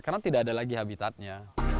karena tidak ada lagi habitatnya